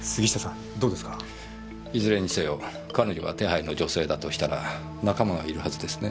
いずれにせよ彼女が手配の女性だとしたら仲間がいるはずですね。